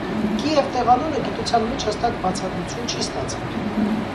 «Կիև» տեղանունը գիտության մեջ հստակ բացատրություն չի ստացել։